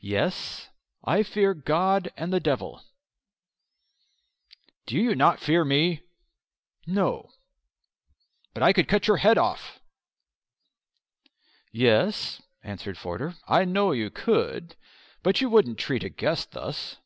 "Yes, I fear God and the devil." "Do you not fear me?" "No." "But I could cut your head off." "Yes," answered Forder, "I know you could. But you wouldn't treat a guest thus."